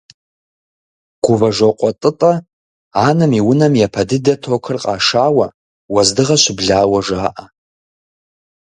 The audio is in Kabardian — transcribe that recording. Гувэжокъуэ ТӀытӀэ анэм и унэм япэ дыдэу токыр къашауэ, уэздыгъэ щыблауэ жаӀэ.